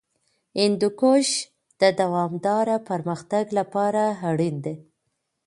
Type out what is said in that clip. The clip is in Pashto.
هندوکش د دوامداره پرمختګ لپاره اړین دی.